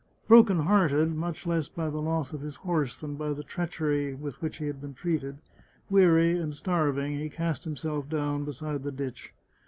Broken hearted— much less by the loss of his horse than by the treachery with which he had been treated — weary, and starv ing, he cast himself down beside the ditch.